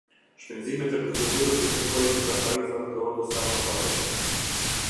Shpenzimet e procedurës i kërkoi sipas tarifave të Odës së Avokatëve.